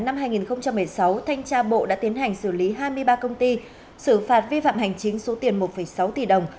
năm hai nghìn một mươi sáu thanh tra bộ đã tiến hành xử lý hai mươi ba công ty xử phạt vi phạm hành chính số tiền một sáu tỷ đồng